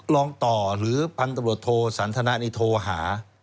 รองต่อหรือพันธบรวจโทสันทนะนี่โทรหา